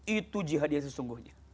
itu jihadnya sesungguhnya